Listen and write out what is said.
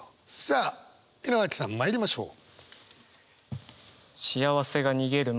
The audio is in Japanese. さあ井之脇さんまいりましょう。